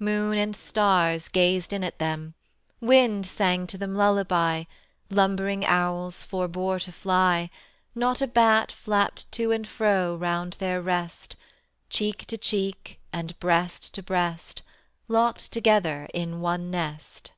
Moon and stars gazed in at them, Wind sang to them lullaby, Lumbering owls forbore to fly, Not a bat flapped to and fro Round their rest: Cheek to cheek and breast to breast Locked together in one nest.